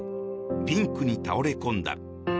リンクに倒れ込んだ。